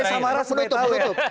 samara supaya tahu